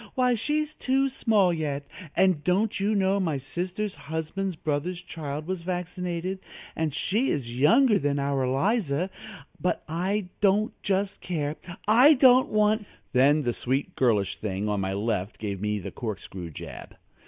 Why, she's too small yet, and don't you know my sister's husband's brother's child was vaccinated, and she is younger than our Eliza, but I don't just care, I don't want " Then the sweet girlish thing on my left gave me the corkscrew jab.